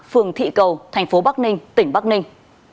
phường thị cầu thành phố bắc ninh tỉnh bắc ninh